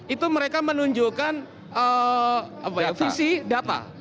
itu mereka menunjukkan visi data